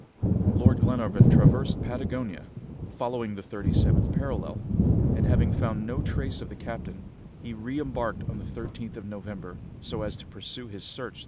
Lord Glenarvan traversed Patagonia, following the thirty seventh parallel, and having found no trace of the captain, he re embarked on the 13th of November, so as to pursue his search through the Ocean.